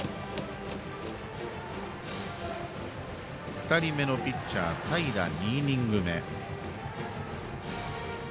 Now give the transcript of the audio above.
２人目のピッチャー、平２イニング目。